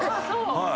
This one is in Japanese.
はい。